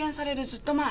ずっと前。